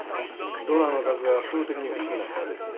ドナーの数が圧倒的に少ない。